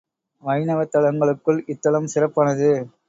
வைணவத் தலங்களுக்குள் இத்தலம் சிறப்பானது.